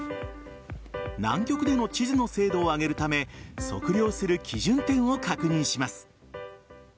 南極での地図の精度を上げるため測量する基準点を確認します。